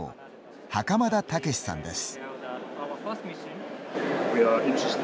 袴田武史さんです。